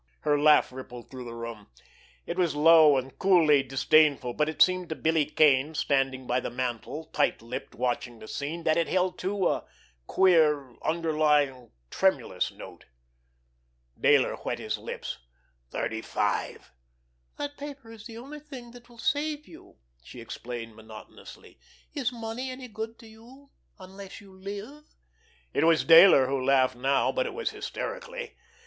Her laugh rippled through the room. It was low and coolly disdainful, but it seemed to Billy Kane, standing by the mantel, tight lipped, watching the scene, that it held, too, a queer, underlying, tremulous note. Dayler wet his lips. "Thirty five." "That paper is the only thing that will save you," she explained monotonously. "Is money any good to you—unless you live?" It was Dayler who laughed now, but it was hysterically.